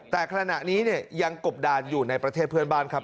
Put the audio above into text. แต่ขณะนี้เนี่ยยังกบดานอยู่ในประเทศเพื่อนบ้านครับ